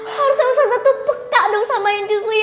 harusnya ustazah tuh pekak dong sama inci zulia